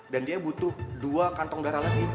dan dia butuh dua kantong darah lagi